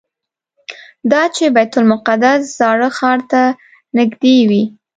یو دا چې بیت المقدس زاړه ښار ته نږدې وي.